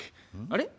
あれ？